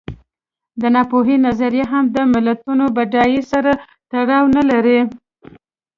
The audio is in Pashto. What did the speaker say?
د ناپوهۍ نظریه هم د ملتونو بډاینې سره تړاو نه لري.